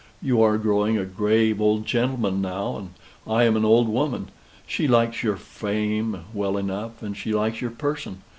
You are growing a grave old gentleman, now, and I am an old woman. She likes your fame well enough, and she likes your person.